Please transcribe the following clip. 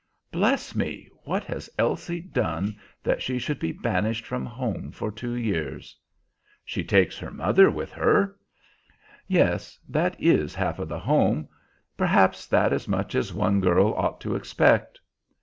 "Bless me! what has Elsie done that she should be banished from home for two years?" "She takes her mother with her." "Yes; that is half of the home. Perhaps that's as much as one girl ought to expect."